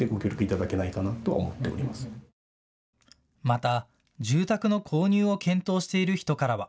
また住宅の購入を検討している人からは。